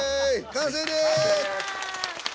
完成です。